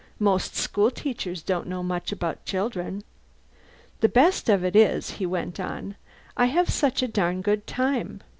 Most school teachers don't know much about children." "The best of it is," he went on, "I have such a darn good time.